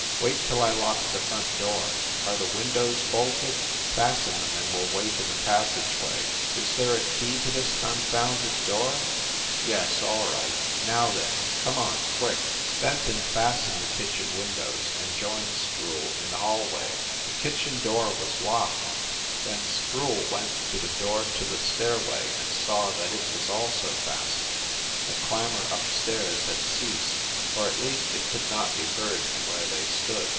"Wait till I lock the front door! Are the win dows bolted? Fasten them and we ll wait in the passage way. Is there a key to this confounded door ? Yes, all right. Now then, come on, quick !" THE NORCROSS APARTMENTS 267 Fenton fastened the kitchen windows and joined Sproule in the hallway. The kitchen door was locked, then Sproule went to the door to the stair way and saw that it was also fastened. The clamor up stairs had ceased, or at least it could not be heard from where they stood.